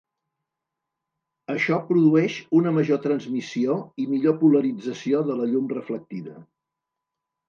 Això produeix una major transmissió, i millor polarització de la llum reflectida.